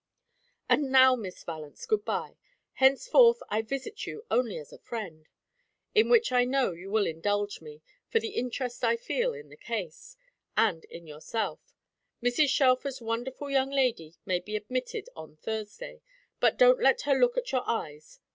"And now, Miss Valence, good bye. Henceforth I visit you only as a friend; in which I know you will indulge me, from the interest I feel in the case, and in yourself. Mrs. Shelfer's wonderful young lady may be admitted on Thursday; but don't let her look at your eyes.